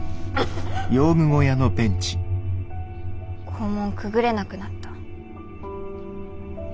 校門くぐれなくなった。